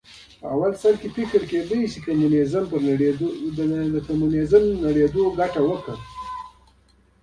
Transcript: لومړي سر کې فکر کېده کمونیزم نړېدو ګټه وکړي